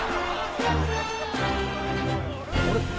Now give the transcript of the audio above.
あれ？